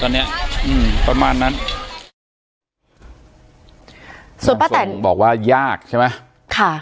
ตอนเนี้ยอืมประมาณนั้นส่วนประสงค์บอกว่ายากใช่ไหมค่ะ